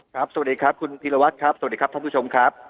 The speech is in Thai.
สวัสดีครับคุณพีรวัตรครับสวัสดีครับท่านผู้ชมครับ